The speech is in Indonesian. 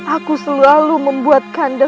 aku selalu membuat kanda